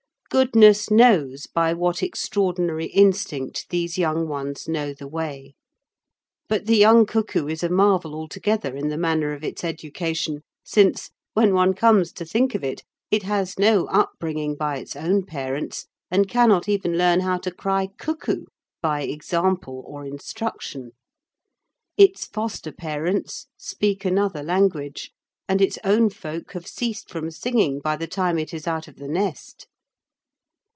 Goodness knows by what extraordinary instinct these young ones know the way. But the young cuckoo is a marvel altogether in the manner of its education, since, when one comes to think of it, it has no upbringing by its own parents and cannot even learn how to cry "Cuckoo!" by example or instruction. Its foster parents speak another language, and its own folk have ceased from singing by the time it is out of the nest.